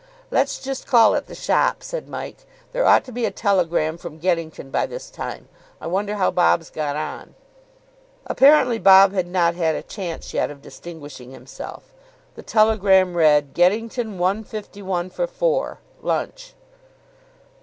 "Let's just call at the shop," said Mike. "There ought to be a telegram from Geddington by this time. I wonder how Bob's got on." Apparently Bob had not had a chance yet of distinguishing himself. The telegram read, "Geddington 151 for four. Lunch."